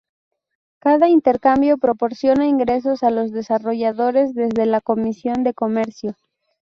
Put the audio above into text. Cada intercambio proporciona ingresos a los desarrolladores desde la comisión de comercio.